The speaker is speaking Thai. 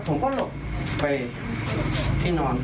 ผมก็หลบไปที่นอน